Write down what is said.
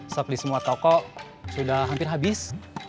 stok di semua toko sudah hampir habis